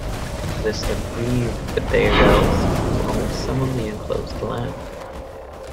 This aggrieved the Dayrells, who owned some of the enclosed land.